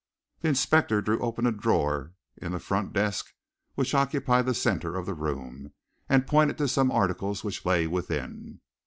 The inspector drew open a drawer in the front desk which occupied the centre of the room, and pointed to some articles which lay within.